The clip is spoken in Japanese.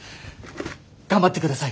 頑張って下さい！